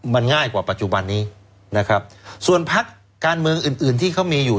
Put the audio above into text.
มันง่ายกว่าปัจจุบันนี้นะครับส่วนพักการเมืองอื่นอื่นที่เขามีอยู่